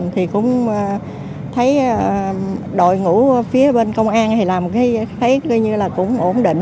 thì cũng thấy đội ngũ phía bên công an thì làm cái thấy coi như là cũng ổn định